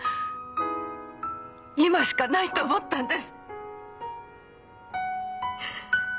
今しかないと思ったんです！